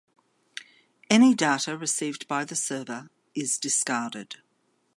Any data received by the server is discarded.